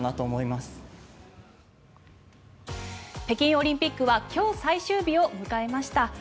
北京オリンピックは今日最終日を迎えました。